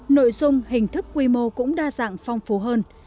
nội dung hình thức quy mô cũng đa dạng phong phú hơn